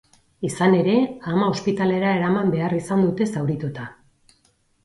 Izan ere, ama ospitalera eraman behar izan dute, zaurituta.